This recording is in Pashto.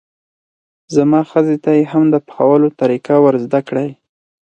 زما ښځې ته یې هم د پخولو طریقه ور زده کړئ.